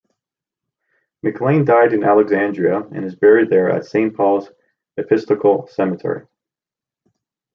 McLean died in Alexandria and is buried there at Saint Paul's Episcopal Cemetery.